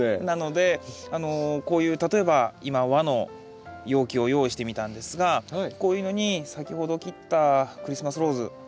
なのでこういう例えば今和の容器を用意してみたんですがこういうのに先ほど切ったクリスマスローズ